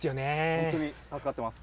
本当に助かってます。